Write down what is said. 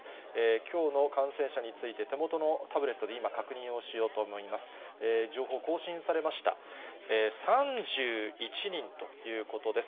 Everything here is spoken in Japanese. きょうの感染者について、手元のタブレットで今、確認をしようと思います。